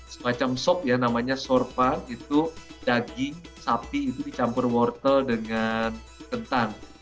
semacam sop ya namanya sorpan itu daging sapi itu dicampur wortel dengan kentang